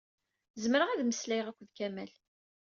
Zemreɣ ad mmeslayeɣ akked Kamal.